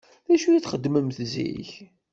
D acu i txeddmemt zik?